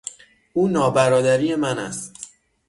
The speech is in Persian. او نابرادری من است.